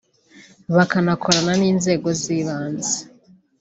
bakanakorana n’inzego z’ibanze